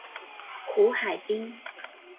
胡海滨。